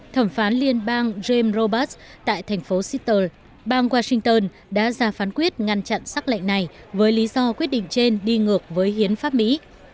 thẩm phán liên bang james robert tại thành phố shitter bang washington đã ra phán quyết ngăn chặn xác lệnh này với lý do quyết định trên đi ngược với hiến pháp mỹ